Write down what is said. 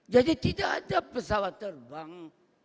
jadi tidak ada pesawat terbang